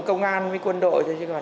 công an với quân đội thôi chứ còn